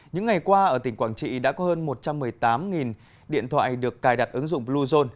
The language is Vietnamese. những ngày qua ở tỉnh quảng trị đã có hơn một trăm một mươi tám điện thoại được cài đặt ứng dụng bluezone